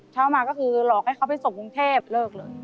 เช้ามาก็คือหลอกให้เขาไปส่งกรุงเทพเลิกเลย